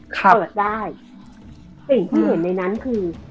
เปิดได้สิ่งที่เห็นในนั้นคือ